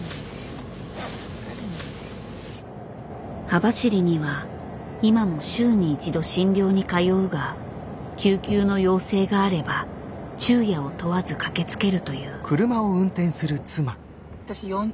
網走には今も週に一度診療に通うが救急の要請があれば昼夜を問わず駆けつけるという。